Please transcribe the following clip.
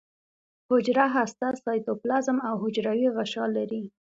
حجره هسته سایتوپلازم او حجروي غشا لري